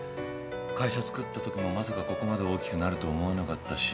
会社つくったときもまさかここまで大きくなると思わなかったし。